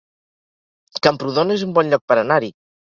Camprodon es un bon lloc per anar-hi